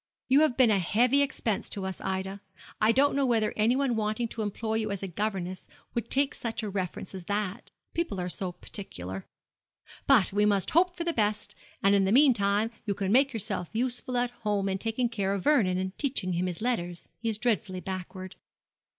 You have been a heavy expense to us, Ida. I don't know whether anyone wanting to employ you as a governess would take such a reference as that. People are so particular. But we must hope for the best, and in the meantime you can make yourself useful at home in taking care of Vernon and teaching him his letters. He is dreadfully backward.'